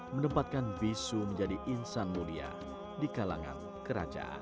menempatkan bisu menjadi insan mulia di kalangan kerajaan